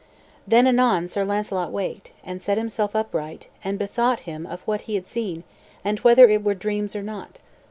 Then anon Sir Launcelot waked, and set himself upright, and bethought him of what he had seen and whether it were dreams or not.